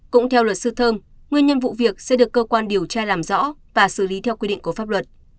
cũng theo luật sư thơm nguyên nhân vụ việc sẽ được cơ quan điều tra làm rõ và xử lý theo quy định của pháp luật